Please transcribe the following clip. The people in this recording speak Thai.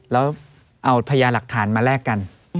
แล้วเอาพญาหลักฐานมาแลกกัน